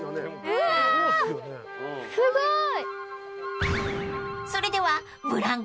おすごい！